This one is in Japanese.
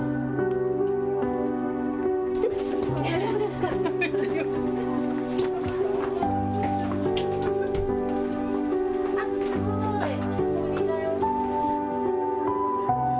すごい。